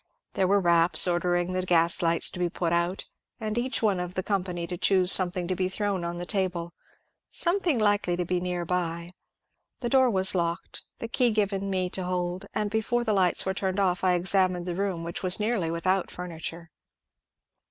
There were raps ordering the gas lights to be put out, and each one of the company to choose something to be thrown on the table —" something likely to be near by." The door was locked, the key given me to hold, and before the lights were turned off I examined the room — which was nearly without furniture.